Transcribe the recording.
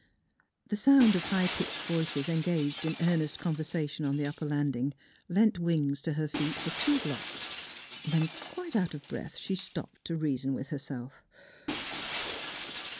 The sound of high pitched voices engaged in earnest conversation on the upper landing lent wings to her feet for two blocks. Then quite out of breath she stopped to reason with herself.